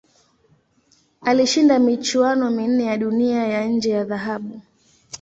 Alishinda michuano minne ya Dunia ya nje ya dhahabu.